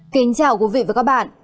kính chào quý vị và các bạn